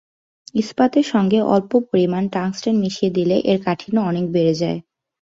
ইস্পাতের সঙ্গে অল্প পরিমাণ টাংস্টেন মিশিয়ে দিলে এর কাঠিন্য অনেক বেড়ে যায়।